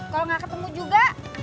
kalau gak ketemu juga